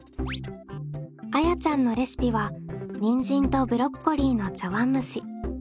あやちゃんのレシピはにんじんとブロッコリーの茶碗蒸し。